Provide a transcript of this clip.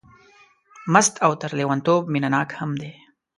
مست او تر لېونتوب مینه ناک هم دی.